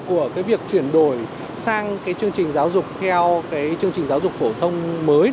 của việc chuyển đổi sang chương trình giáo dục theo chương trình giáo dục phổ thông mới